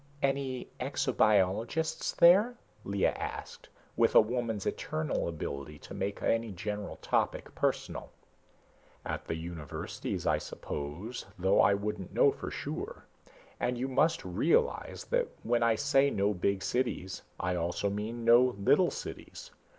"Any exobiologists there?" Lea asked, with a woman's eternal ability to make any general topic personal. "At the universities, I suppose, though I wouldn't know for sure. And you must realize that when I say no big cities, I also mean no little cities.